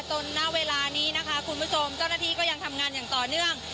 ณเวลานี้นะคะคุณผู้ชมเจ้าหน้าที่ก็ยังทำงานอย่างต่อเนื่อง